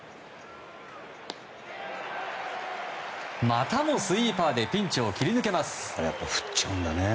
またもスイーパーでピンチを切り抜けます。